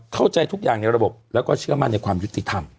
เข้าใจทุกอย่างในระบบแล้วก็เชื่อมั่นในความยุติธรรม